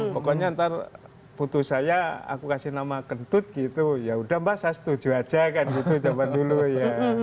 pokoknya ntar butuh saya aku kasih nama kentut gitu ya udah mbak saya setuju aja kan gitu zaman dulu ya